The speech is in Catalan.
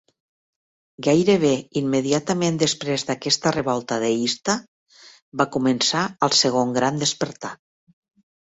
Gairebé immediatament després d'aquesta revolta deista, va començar el Segon Gran Despertar.